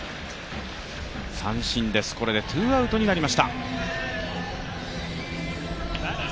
三振です、これでツーアウトになりました。